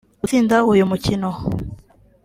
Gutsinda uyu mukino